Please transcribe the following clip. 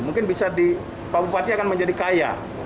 mungkin bisa di pak bupati akan menjadi kaya